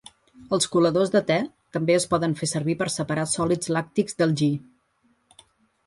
Els coladors de te també es poden fer servir per separar sòlids làctics del ghee.